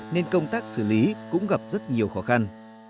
nên công tác xử lý cũng gặp rất nhiều khó khăn